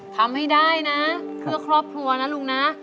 ทำให้ได้นะเพื่อครอบครัวนะลุงนะ